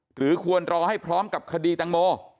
หรือควรรอให้พร้อมกับคดีตังโม